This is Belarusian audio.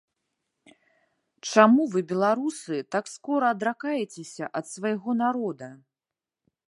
Чаму вы, беларусы, так скора адракаецеся ад свайго народа?